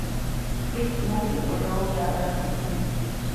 اس موقعہ کو لوگ یاد رکھدے ہن۔